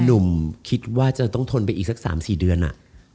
หนุ่มคิดว่าจะต้องทนไปอีกสัก๓๔เดือน